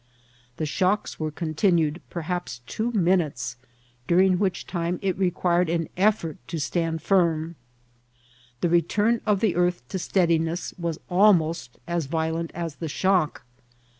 The shocks were contin ued perhaps two minutes, during which time it required an effort to stand firm. The return of the earth to steadiness was almost as violent as the shock.